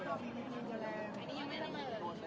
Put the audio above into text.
แล้วไอ้พี่ดังเมื่อกี้พี่ดังตรงไหนก็ตรงนี้แหละตรงนี้แหละใช่